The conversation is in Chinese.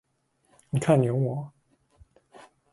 你看牛魔？